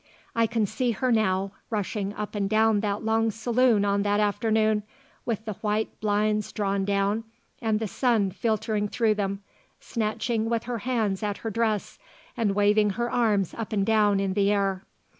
I can see her now, rushing up and down that long saloon on that afternoon, with the white blinds drawn down and the sun filtering through them, snatching with her hands at her dress and waving her arms up and down in the air.